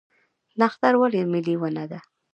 نښتر ولې ملي ونه ده؟